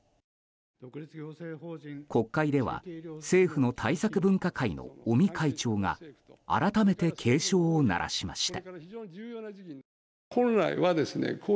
国会では政府の対策分科会の尾身会長が改めて警鐘を鳴らしました。